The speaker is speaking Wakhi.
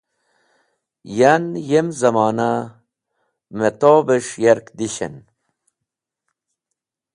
Yan yem zẽmona mẽtobis̃h yark dishẽn.